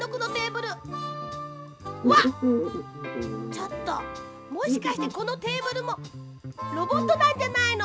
ちょっともしかしてこのテーブルもロボットなんじゃないの！？